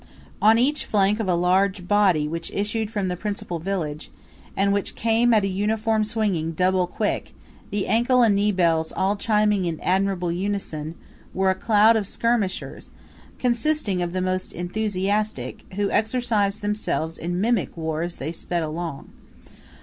On each flank of a large body which issued from the principal village, and which came at a uniform swinging double quick, the ankle and knee bells all chiming in admirable unison, were a cloud of skirmishers, consisting of the most enthusiastic, who exercised themselves in mimic war as they sped along.